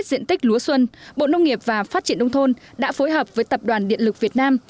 diện tích lúa xuân bộ nông nghiệp và phát triển nông thôn đã phối hợp với tập đoàn điện lực việt nam